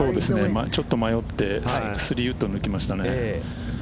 ちょっと迷って３番ウッド抜きましたね。